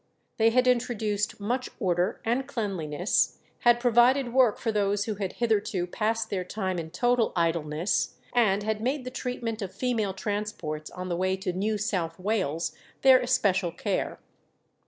They had introduced "much order and cleanliness," had provided work for those who had hitherto passed their time in total idleness, and had made the treatment of female transports on the way to New South Wales their especial care.